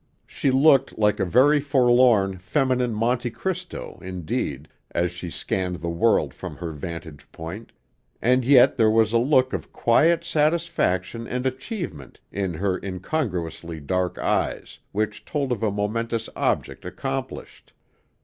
She looked like a very forlorn, feminine Monte Cristo indeed, as she scanned the world from her vantage point, and yet there was a look of quiet satisfaction and achievement in her incongruously dark eyes which told of a momentous object accomplished.